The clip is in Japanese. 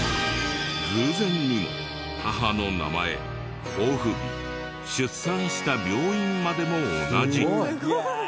偶然にも母の名前交付日出産した病院までも同じ。